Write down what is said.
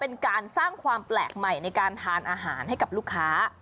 เป็นการสร้างความแปลกใหม่ในการทานอาหารให้กับลูกค้า